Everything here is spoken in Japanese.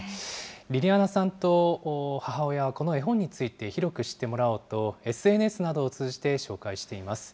りりあなさんと母親は、この絵本について広く知ってもらおうと、ＳＮＳなどを通じて紹介しています。